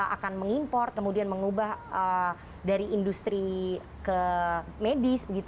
akan mengimport kemudian mengubah dari industri ke medis